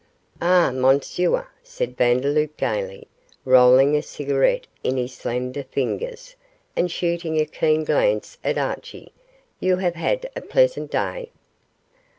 'Aha, Monsieur,' said Vandeloup, gaily, rolling a cigarette in his slender fingers, and shooting a keen glance at Archie; 'you have had a pleasant day.